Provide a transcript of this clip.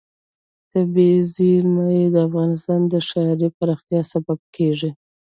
طبیعي زیرمې د افغانستان د ښاري پراختیا سبب کېږي.